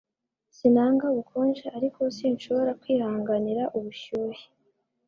Sinanga ubukonje ariko sinshobora kwihanganira ubushyuhe